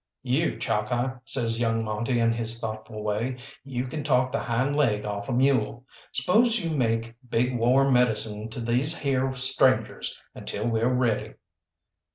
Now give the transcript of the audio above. "You, Chalkeye," says young Monte in his thoughtful way, "you can talk the hind leg off a mule. Spose you make big war medicine to these here strangers until we're ready."